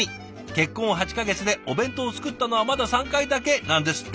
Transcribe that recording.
結婚８か月でお弁当を作ったのはまだ３回だけなんですって！